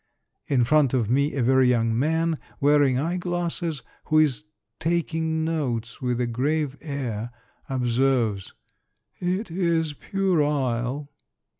In front of me a very young man wearing eye glasses, who is taking notes with a grave air, observes, —^' It is puerile